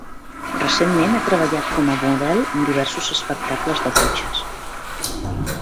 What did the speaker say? Recentment ha treballat com a model en diversos espectacles de cotxes.